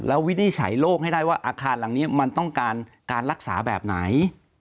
แล้ววินิจฉัยโลกให้ได้ว่าอาคารหลังนี้มันต้องการการรักษาแบบไหน